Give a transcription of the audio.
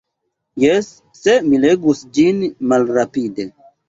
Jes, se mi legus ĝin malrapide.